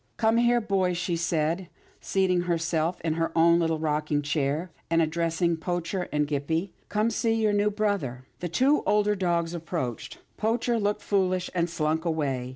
" Come here, boys," she said, seating herself in her own little rocking chair, and addressing Poacher and Gippie. " Come see your new brother." The two older dogs approached. Poacher looked foolish, and slunk away.